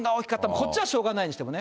こっちはしょうがないにしてもね。